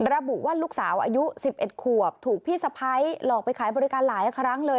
ระบุว่าลูกสาวอายุ๑๑ขวบถูกพี่สะพ้ายหลอกไปขายบริการหลายครั้งเลย